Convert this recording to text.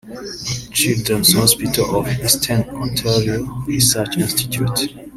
Children’s Hospital of Eastern Ontario Research Institute